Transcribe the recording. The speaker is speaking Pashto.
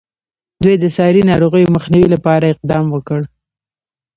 دوی د ساري ناروغیو مخنیوي لپاره اقدام وکړ.